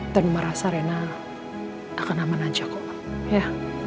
dan merasa reina akan aman aja kok ya